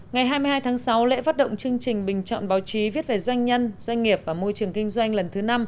ngày hai mươi hai tháng sáu lễ phát động chương trình bình chọn báo chí viết về doanh nhân doanh nghiệp và môi trường kinh doanh lần thứ năm